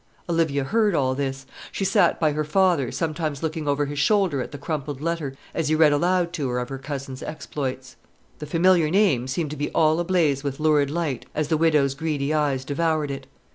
Olivia heard all this. She sat by her father, sometimes looking over his shoulder at the crumpled letter, as he read aloud to her of her cousin's exploits. The familiar name seemed to be all ablaze with lurid light as the widow's greedy eyes devoured it.